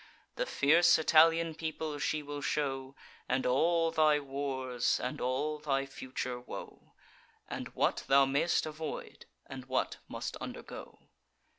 The fierce Italian people she will show, And all thy wars, and all thy future woe, And what thou may'st avoid, and what must undergo.